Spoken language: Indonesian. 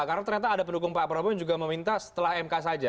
karena ternyata ada pendukung pak prabowo yang juga meminta setelah mk saja